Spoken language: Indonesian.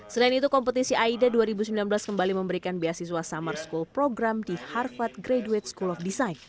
selain itu kompetisi aida dua ribu sembilan belas kembali memberikan beasiswa summer school program di harvard graduate school of design